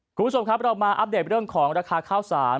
คุณผู้ชมครับเรามาอัปเดตเรื่องของราคาข้าวสาร